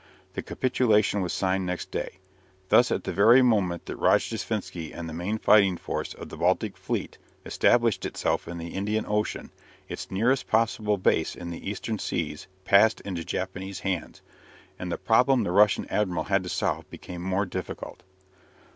The capitulation was signed next day. Thus at the very moment that Rojdestvensky and the main fighting force of the Baltic fleet established itself in the Indian Ocean, its nearest possible base in the Eastern seas passed into Japanese hands, and the problem the Russian admiral had to solve became more difficult.